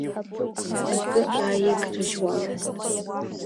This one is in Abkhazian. Акы ааигрыжьуамызт.